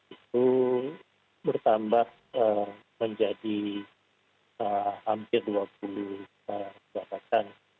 itu bertambah menjadi hampir dua puluh jabatan